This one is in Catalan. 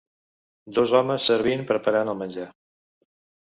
Dos homes servint preparant el menjar.